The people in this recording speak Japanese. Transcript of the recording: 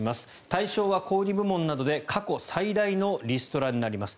対象は小売り部門などで過去最大のリストラになります。